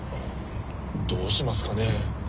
どうしますかね？